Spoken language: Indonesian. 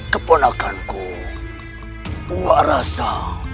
kepenakanku tidak rasa